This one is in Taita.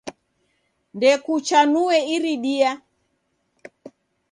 Ndokuchanue iridia.